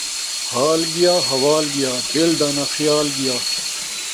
حال ڳیا حوال ڳیا ، دل دا ناں خیال ڳیا